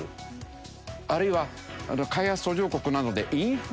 あるいは開発途上国などでインフラ工事。